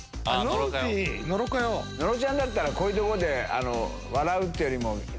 野呂ちゃんだったらこういうとこで笑うよりも。